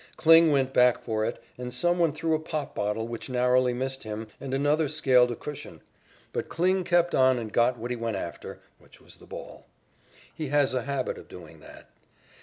Kling went back for it, and some one threw a pop bottle which narrowly missed him, and another scaled a cushion. But Kling kept on and got what he went after, which was the ball. He has a habit of doing that.